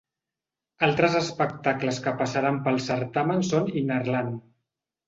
Altres espectacles que passaran pel certamen són Innerland.